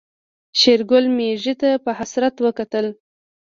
شېرګل ميږې ته په حسرت وکتل.